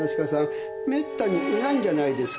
めったにいないんじゃないですか。